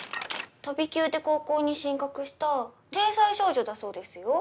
飛び級で高校に進学した天才少女だそうですよ。